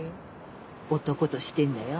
男としてんだよ